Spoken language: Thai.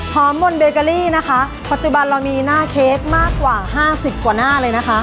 หอมบนเบเกอรี่นะคะปัจจุบันเรามีหน้าเค้กมากกว่าห้าสิบกว่าหน้าเลยนะคะ